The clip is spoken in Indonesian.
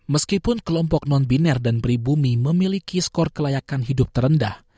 meskipun kelompok non biner dan beribumi memiliki skor kelayakan hidup terendah